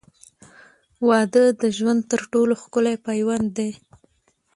• واده د ژوند تر ټولو ښکلی پیوند دی.